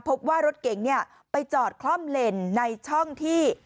พบว่ารถเก๋งไปจอดคล่อมเลนในช่องที่